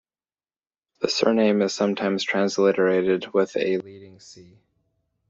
The surname is sometimes transliterated with a leading "C".